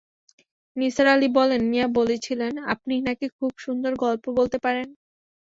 নিসার আলি বললেন, মিয়া বলছিলেন, আপনি নাকি খুব সুন্দর গল্প বলতে পারেন।